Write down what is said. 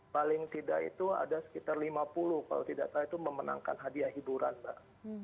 paling tidak itu ada sekitar lima puluh kalau tidak salah itu memenangkan hadiah hiburan mbak